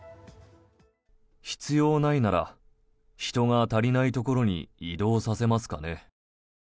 必要ないなら人が足りないところに異動させますかね。